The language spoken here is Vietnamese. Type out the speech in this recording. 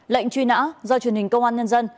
lệnh truy nã do truyền hình công an nhân dân